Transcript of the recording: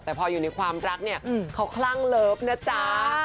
แต่พออยู่ในความรักเนี่ยเขาคลั่งเลิฟนะจ๊ะ